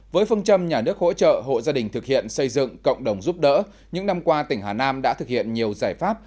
với phương châm nhà nước hỗ trợ hộ gia đình thực hiện xây dựng cộng đồng giúp đỡ những năm qua tỉnh hà nam đã thực hiện nhiều giải pháp